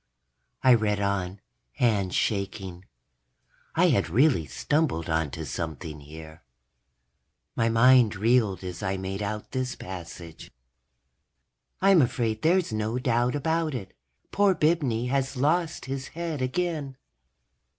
I read on, hands shaking. I had really stumbled onto something here. My mind reeled as I made out this passage: _... I'm afraid there's no doubt about it. Poor Bibney has lost his head again.